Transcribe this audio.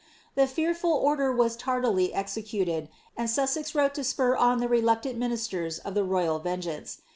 The fearful order was tardily executed, and Sussex wrote to spur on the reluctant ministers of the royal vengeance.